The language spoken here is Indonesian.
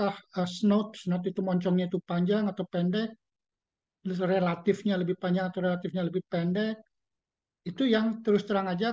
loh ini sudah dapat ini mbak